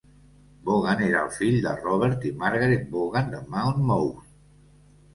Vaughan era el fill de Robert i Margaret Vaughan de Monmouth.